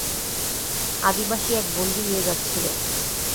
আদিবাসী এক বন্দী নিয়ে যাচ্ছিল।